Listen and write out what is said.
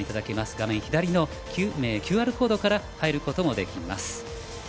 画面左のＱＲコードから入ることもできます。